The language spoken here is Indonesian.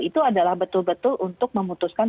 itu adalah betul betul untuk memutuskan